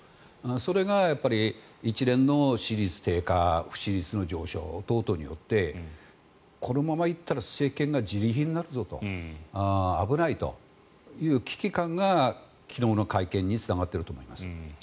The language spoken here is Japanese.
それが一連の支持率の低下不支持率の上昇等々によってこのまま行ったら政権がじり貧になるぞと危ないという危機感が昨日の会見につながっていると思います。